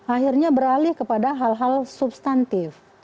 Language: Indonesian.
akhirnya beralih kepada hal hal substantif